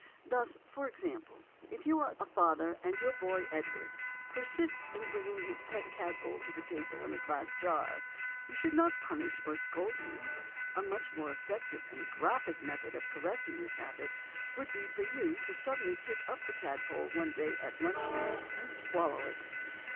Thus, for example, if you are a father and your boy Edward persists in bringing his pet tadpole to the table in a glass jar, you should not punish or scold him; a much more effective and graphic method of correcting this habit would be for you to suddenly pick up the tadpole one day at luncheon and swallow it.